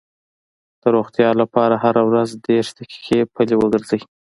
د روغتیا لپاره هره ورځ دېرش دقیقې پلي وګرځئ.